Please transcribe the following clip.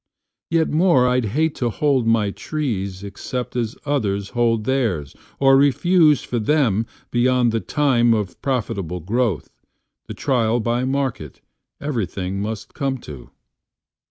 Yet more I'd hate to hold my trees exceptAs others hold theirs or refuse for them, Beyond the time of profitable growth, The trial by market everything must come to.